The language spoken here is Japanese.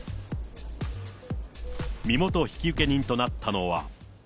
身元引受人となったのは。